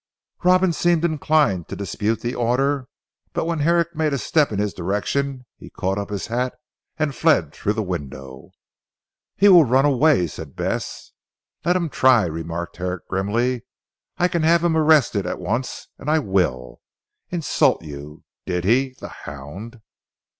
Robin seemed inclined to dispute the order, but when Herrick made a step in his direction he caught up his hat and fled through the window. "He will run away," said Bess. "Let him try," remarked Herrick grimly, "I can have him arrested at once and I will. Insult you, did he the hound!"